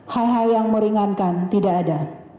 hal hal yang meringankan tidak ada